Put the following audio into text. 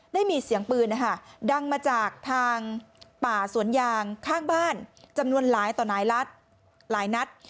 ได้มีเสียงปืนดังมาจากทางป่าสวนยางข้างบ้านจำนวนหลายต่อหลายนัด